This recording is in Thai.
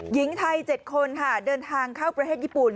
หญิงไทย๗คนค่ะเดินทางเข้าประเทศญี่ปุ่น